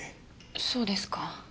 そうですか。